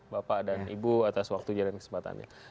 bapak dan ibu atas waktunya dan kesempatannya